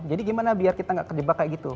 jadi gimana biar kita nggak kerjebak kayak gitu